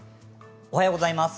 おはようございます。